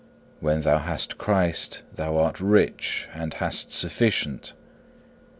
When thou hast Christ, thou art rich, and hast sufficient.